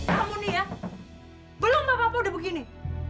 kamu ini ya belum apa apaan udah begini